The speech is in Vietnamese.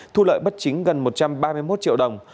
thu lợi bất chính gần một trăm ba mươi một triệu đồng